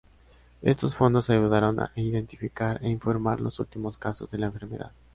Estos fondos ayudaron a identificar e informar los últimos casos de la enfermedad.